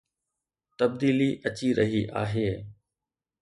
تبديلي اچي رهي آهي